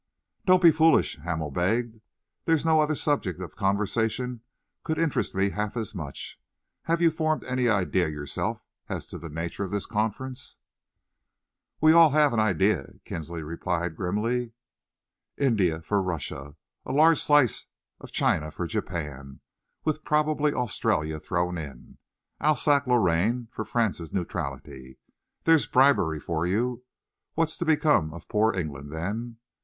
"Don't be foolish," Hamel begged. "There's no other subject of conversation could interest me half as much. Have you formed any idea yourself as to the nature of this conference?" "We all have an idea," Kinsley replied grimly; "India for Russia; a large slice of China for Japan, with probably Australia thrown in; Alsace Lorraine for France's neutrality. There's bribery for you. What's to become of poor England then?